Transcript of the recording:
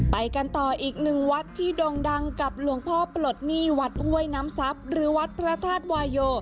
ไปกันต่ออีกหนึ่งวัดที่ดงดังกับลังพ่อปรดณีวัดเว้ยน้ำซับหรือวัดพระทาสไวยโย